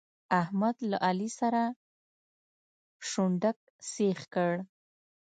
احمد له علي سره شونډک سيخ کړ.